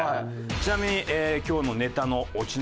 ちなみに今日のネタのオチの方。